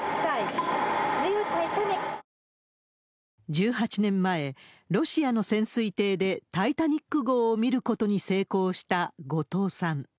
１８年前、ロシアの潜水艇でタイタニック号を見ることに成功した後藤さん。